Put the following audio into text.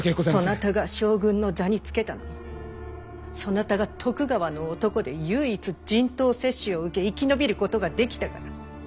そなたが将軍の座につけたのもそなたが徳川の男で唯一人痘接種を受け生き延びることができたから！